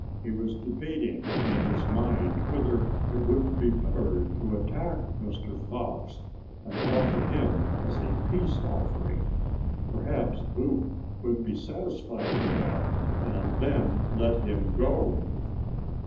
He was debating in his mind whether it wouldn't be better to attack Mr. Fox, and offer him as a peace offering. Perhaps Loup would be satisfied with that, and then let him go.